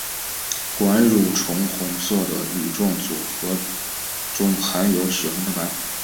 管蠕虫红色的羽状组织中含有血红蛋白。